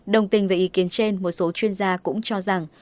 đồng tình về ý kiến trên một số chuyên gia cũng cho rằng